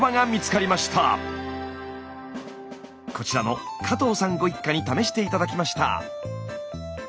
こちらの加藤さんご一家に試して頂きました。